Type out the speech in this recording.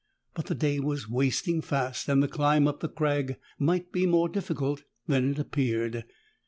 But the day was wasting fast and the climb up the crag might be more difficult than it appeared.